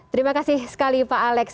terima kasih sekali pak alex